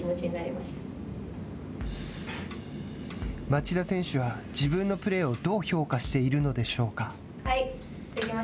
町田選手は、自分のプレーをどう評価しているのでしょうか。